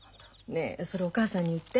ねえそれお母さんに売って。